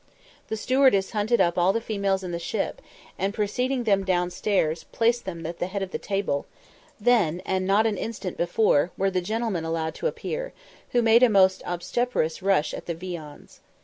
The stewardess hunted up all the females in the ship, and, preceding them down stairs, placed them at the head of the table; then, and not an instant before, were the gentlemen allowed to appear, who made a most obstreperous rush at the viands.